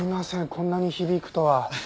こんなに響くとは。